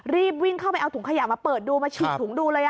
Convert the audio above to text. รีบวิ่งเข้าไปเอาถุงขยะมาเปิดดูมาฉีกถุงดูเลย